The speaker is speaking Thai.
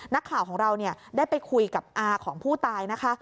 นักข่าวของเราได้ไปคุยกับอาของผู้ตายนะคะ